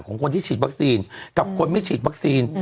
ของคนที่ฉีดวัคซีนกับคนไม่ฉีดวัคซีน